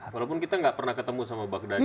walaupun kita nggak pernah ketemu sama al baghdadi